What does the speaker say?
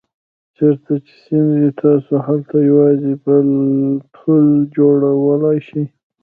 چېرته چې سیند وي تاسو هلته یوازې پل جوړولای شئ.